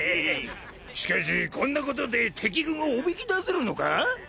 しかしこんなことで敵軍をおびき出せるのか？